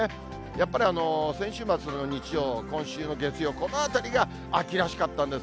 やっぱり先週末の日曜、今週の月曜、このあたりが秋らしかったんです。